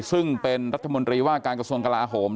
ซึ่งเป็นรัฐมนตรีว่าการกระทรวงกลาโหม